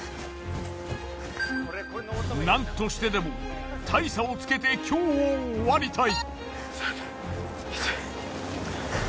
なんとしてでも大差をつけて今日を終わりたい。